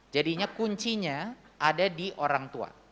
jadinya kuncinya ada di orang tua